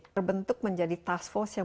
berbentuk menjadi task force yang